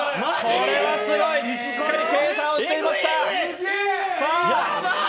これはすごい、しっかり計算をしていました。